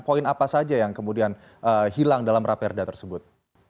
poin apa saja yang kemudian hilang dalam raperda tersebut